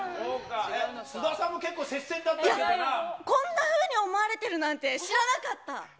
須田さんも結構、接戦だったけどこんなふうに思われてるなんて知らなかった。